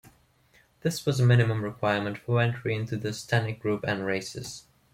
This was a minimum requirement for entry into the Stannic Group N races.